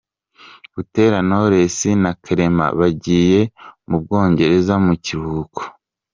Butera Knowless na Clement bagiye mu Bwongereza mu kiruhuko